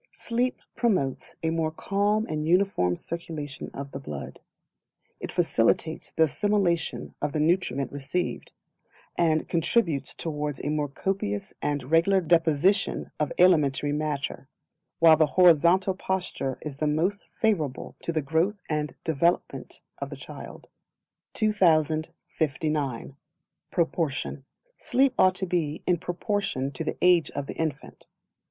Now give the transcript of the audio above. Sleep promotes a more Calm and Uniform Circulation of the blood; it facilitates the assimilation of the nutriment received, and contributes towards a more copious and regular deposition of alimentary matter, while the horizontal posture is the most favourable to the growth and development of the child. 2059. Proportion. Sleep ought to be in Proportion to the age of the infant.